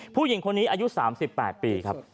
ผู้หญิงคนนี้อายุ๓๘ปีครับ